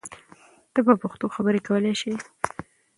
ته په پښتو خبری کولای شی!